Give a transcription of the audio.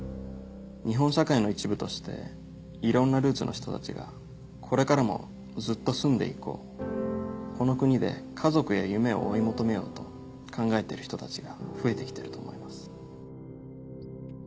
日本社会の一部としていろんなルーツの人たちがこれからもずっと住んでいこうこの国で家族や夢を追い求めようと考えてる人たちが増えてきてると思います。